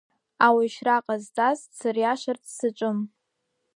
Ауаҩшьра ҟазҵаз дсыриашарц саҿым.